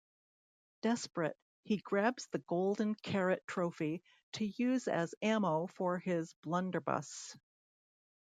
Desperate, he grabs the Golden Carrot trophy to use as ammo for his blunderbuss.